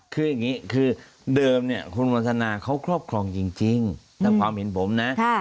คืออย่างนี้คือเดิมเนี่ยคุณวันทนาเขาครอบครองจริงแต่ความเห็นผมนะ